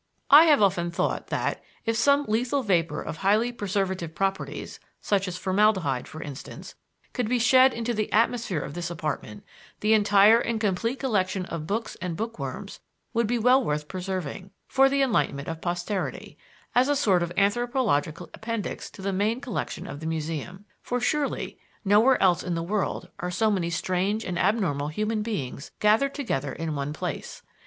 I have often thought that, if some lethal vapor of highly preservative properties such as formaldehyde, for instance could be shed into the atmosphere of this apartment, the entire and complete collection of books and book worms would be well worth preserving, for the enlightenment of posterity, as a sort of anthropological appendix to the main collection of the Museum. For, surely, nowhere else in the world are so many strange and abnormal human beings gathered together in one place.